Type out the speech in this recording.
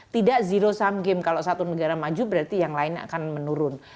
tidak zero sum game kalau satu negara maju berarti yang lainnya akan menurun